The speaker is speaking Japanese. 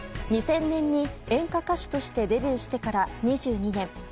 ２０００年に演歌歌手としてデビューしてから２２年。